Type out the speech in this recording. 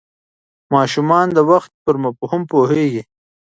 ماشومان د وخت پر مفهوم پوهېږي.